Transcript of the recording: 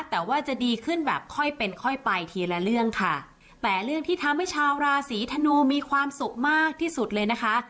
แต่ว่าจะดีขึ้นแบบค่อยเป็นค่อยไปทีละเรื่องค่ะแต่เรื่องที่ทำให้ชาวราศีธนูมีความสุขมากที่สุดเลยนะคะ